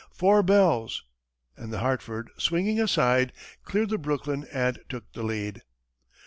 "Four bells!" and the Hartford, swinging aside, cleared the Brooklyn and took the lead.